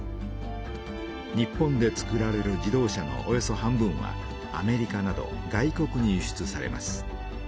日本でつくられる自動車のおよそ半分はアメリカなど外国に輸出されます。